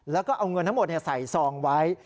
แล้วก็เอาเงินทั้งหมดใส่ซองไว้